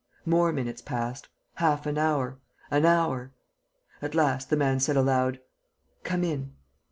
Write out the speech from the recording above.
More minutes passed, half an hour, an hour. ... At last, the man said aloud: "Come in."